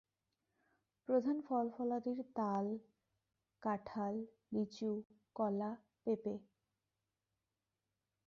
প্রধান ফল-ফলাদিব তাল, কাঁঠাল, লিচু, কলা, পেঁপে।